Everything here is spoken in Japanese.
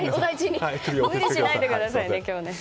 今日は無理しないでくださいね。